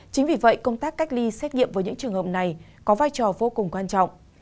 chính vì vậy công tác cách ly xét nghiệm với những trường hợp này có vai trò vô cùng quan trọng